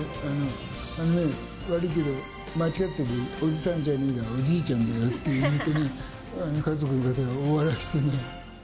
悪いけど間違ってる、おじさんじゃねぇよ、おじいちゃんだぞって言うとね、家族の方が大笑いしてね。